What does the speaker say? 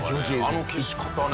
あの消し方ね。